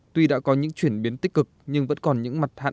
tuy đã có những chuyển biến tích cực nhưng vẫn còn những mặt hạn